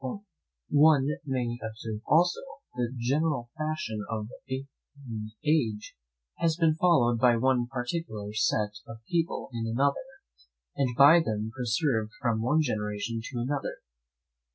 One may observe also, that the general fashion of one age has been followed by one particular set of people in another, and by them preserved from one generation to another.